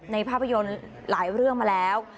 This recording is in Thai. ภาพยนตร์หลายเรื่องมาแล้ว